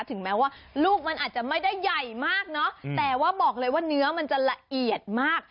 ถึงแม้ว่าลูกมันอาจจะไม่ได้ใหญ่มากเนอะแต่ว่าบอกเลยว่าเนื้อมันจะละเอียดมาก